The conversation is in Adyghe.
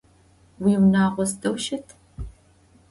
Уиунагъо сыдэу щыт?